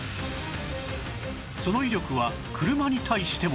その威力は車に対しても